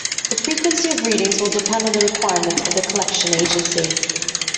The frequency of readings will depend on the requirements of the collection agency.